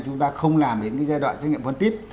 chúng ta không làm đến cái giai đoạn xét nghiệm phân tích